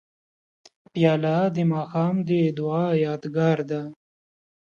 پیاله د ماښام د دعا یادګار ده.